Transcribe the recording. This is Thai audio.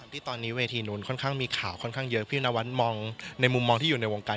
ที่ตอนนี้เวทีนู้นค่อนข้างมีข่าวค่อนข้างเยอะพี่นวัดมองในมุมมองที่อยู่ในวงการ